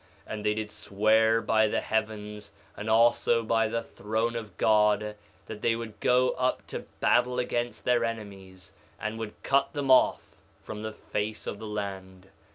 3:10 And they did swear by the heavens, and also by the throne of God, that they would go up to battle against their enemies, and would cut them off from the face of the land.